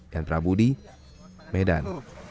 yang terabudi medan